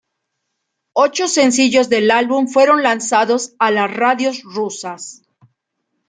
Ocho sencillos del álbum fueron lanzados a las radios rusas.